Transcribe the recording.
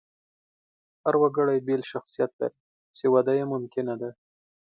هر وګړی بېل شخصیت لري، چې وده یې ممکنه ده.